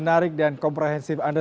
menarik dan komprehensif anda